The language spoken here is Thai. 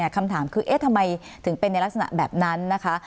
คำถามคือเอ๊ะทำไมถึงเป็นในลักษณะแบบนั้นนะคะ